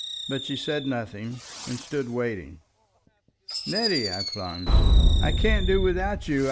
But she said nothing, and stood waiting. "Nettie," I plunged, "I can't do without you.